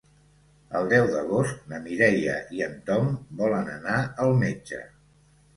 El deu d'agost na Mireia i en Tom volen anar al metge.